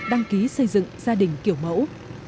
đăng ký xây dựng gia đình kiểu mẫu